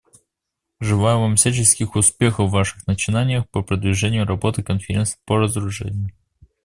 Желаю вам всяческих успехов в ваших начинаниях по продвижению работы Конференции по разоружению.